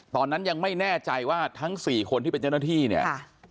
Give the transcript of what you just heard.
ตอนนั้นยังไม่แน่ใจว่าทั้งสี่คนที่เป็นเจ้าหน้าที่เนี่ย